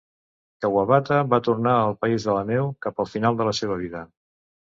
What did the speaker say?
Kawabata va tornar al "País de la Neu" cap al final de la seva vida.